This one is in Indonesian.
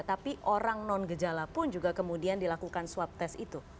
tapi orang non gejala pun juga kemudian dilakukan swab test itu